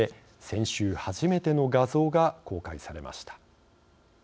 先週、初めての画像が公開されました。